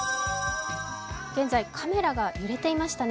現在、カメラが揺れていましたね。